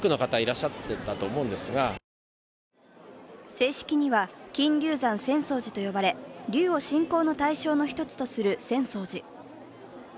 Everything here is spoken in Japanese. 正式には金龍山浅草寺と呼ばれ、龍を信仰の対象の一つとする浅草寺。